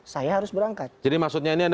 saya harus berangkat jadi maksudnya ini